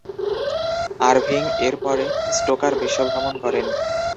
Irving এর পরে stoker বিশ্ব ভ্রমণ করেন।